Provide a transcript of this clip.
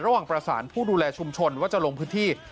ระหว่างประสานผู้ดูแลชุมชนว่าจะลงพื้นที่